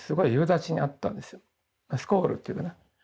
スコールっていうかな。